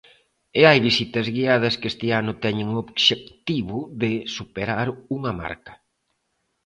E hai visitas guiadas que este ano teñen o obxectivo de superar unha marca.